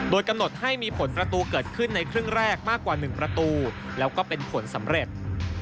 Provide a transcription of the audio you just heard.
โดยกำหนดให้มีผลประตูเกิดขึ้นในครึ่งแรกมากกว่า๑ประตูแล้วก็เป็นผลสำเร็จ